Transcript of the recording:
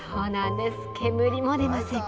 煙も出ません。